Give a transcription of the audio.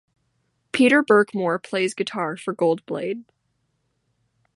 Peter Byrchmore plays guitar for Goldblade.